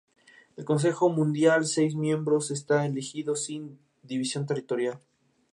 La mujer le enseña su habitación, mientras en otras tomas está Fher cantando.